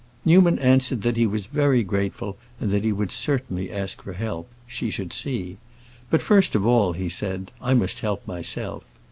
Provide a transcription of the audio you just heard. Newman answered that he was very grateful and that he would certainly ask for help; she should see. "But first of all," he said, "I must help myself."